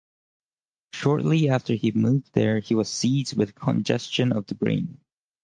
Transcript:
Shortly after he moved there, he was seized with congestion of the brain.